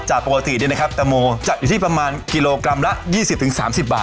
จากปกติแตงโมจะอยู่ที่ประมาณกิโลกรัมละ๒๐๓๐บาท